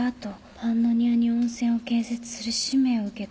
“パンノニアに温泉を建設する使命を受けた”